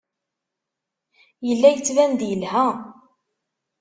Yella yettban-d yelha.